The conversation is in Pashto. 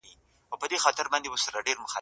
عمر له هغه ځایه د یوې غټې تجربې سره لاړ.